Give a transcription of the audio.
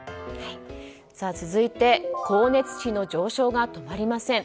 続いて光熱費の上昇が止まりません。